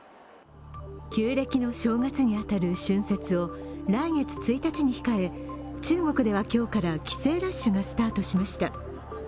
旧暦の正月に当たる春節を来月１日に控え、中国では今日から帰省ラッシュがスタートしました。